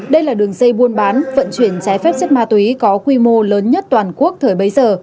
đây là đường dây buôn bán vận chuyển trái phép chất ma túy có quy mô lớn nhất toàn quốc thời bấy giờ